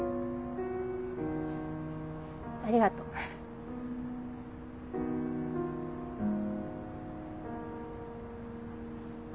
ありがとう。